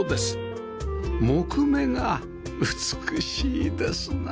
木目が美しいですね